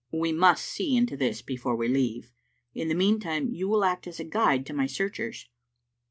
"We must see into this before we leave. In the meantime you will act as a guide to my searchers.